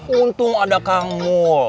untung ada kang mulia